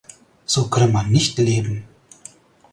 So könne man nicht leben.